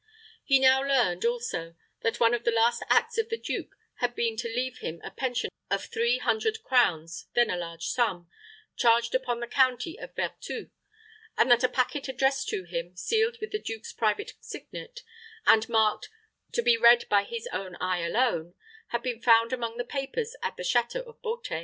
He now learned, also, that one of the last acts of the duke had been to leave him a pension of three hundred crowns then a large sum charged upon the county of Vertus, and that a packet addressed to him, sealed with the duke's private signet, and marked, "To be read by his own eye alone," had been found among the papers at the château of Beauté.